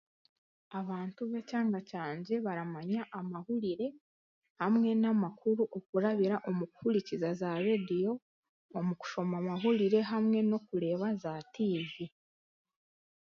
Abantu b'ekyanga kyangye baramanya amahurire hamwe n'amakuru okurabira omu kuhurikiza za rediyo, omu kushoma amahurire hamwe n'okureeba zaatiivi.